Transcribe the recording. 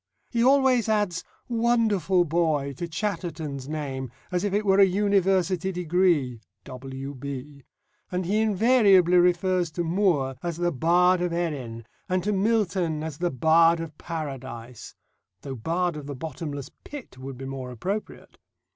He always adds, "Wonderful boy!" to Chatterton's name as if it were a university degree (W.B.), and he invariably refers to Moore as the Bard of Erin, and to Milton as the Bard of Paradise though Bard of the Bottomless Pit would be more appropriate.